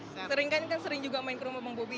sering kan kan sering juga main ke rumah bapak mbak bobi